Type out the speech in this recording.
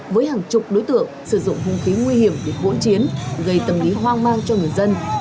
với hàng chục đối tượng sử dụng hung khí nguy hiểm để vỗn chiến gây tầm ý hoang mang cho người dân